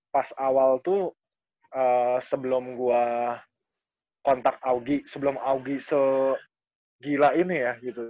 pas awal tuh sebelum gue kontak augi sebelum augie segila ini ya gitu